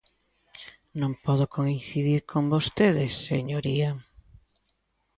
Non podo coincidir con vostede, señoría.